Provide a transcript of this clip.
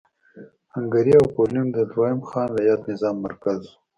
هنګري او پولنډ د دویم خان رعیت نظام مرکز و.